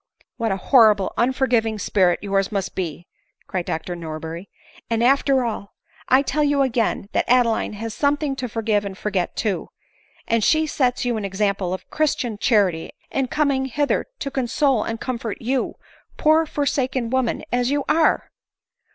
"What a horrible, unforgiving spirit yours must be !" cried Dr Norberry ;" and after all, I tell you again, that Adeline has something to forgive and forget too ; and she sets you an example of christian charity in coming hith er to console and comfort you, poor forsaken woman as you are